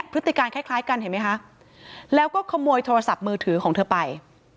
พฤติการคล้ายกันเห็นไหมคะแล้วก็ขโมยโทรศัพท์มือถือของเธอไป